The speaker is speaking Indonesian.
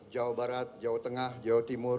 jawa barat jawa tengah jawa timur